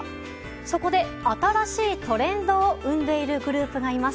そこで新しいトレンドを生んでいるグループがいます。